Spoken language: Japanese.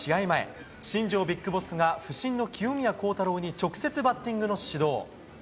前新庄ビッグボスが不振の清宮幸太郎に直接バッティングの指導。